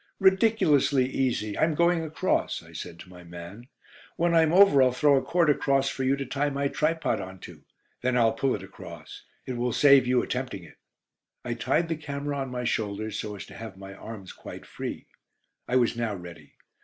"Ridiculously easy! I'm going across," I said to my man. "When I'm over I'll throw a cord across for you to tie my tripod on to; then I'll pull it across. It will save you attempting it." I tied the camera on my shoulders, so as to have my arms quite free. I was now ready.